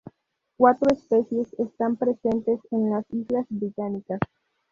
Cuatro especies están presentes en las islas británicas.